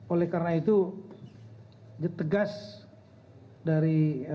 oleh karena itu tegas dari